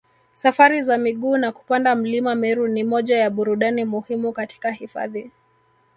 Safari za miguu na kupanda mlima Meru ni moja ya burudani muhimu katika hifadhi